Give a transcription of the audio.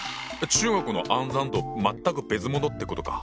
中国の「暗算」と全く別物ってことか。